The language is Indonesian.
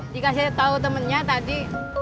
dikasih tau temennya tadi